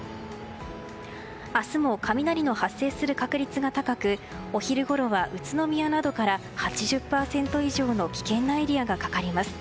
明日も雷の発生する確率が高くお昼ごろは、宇都宮などから８０％以上の危険なエリアがかかります。